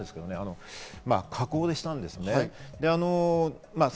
河口でしたんですね。